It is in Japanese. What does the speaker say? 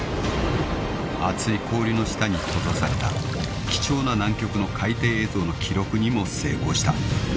［厚い氷の下に閉ざされた貴重な南極の海底映像の記録にも成功した］